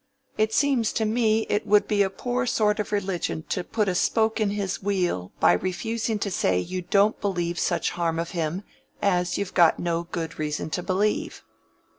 It seems to me it would be a poor sort of religion to put a spoke in his wheel by refusing to say you don't believe such harm of him as you've got no good reason to believe."